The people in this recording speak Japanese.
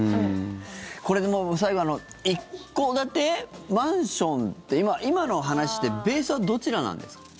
これでもう最後一戸建て、マンションって今の話でベースはどちらなんですか？